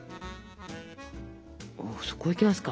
そこいきますか。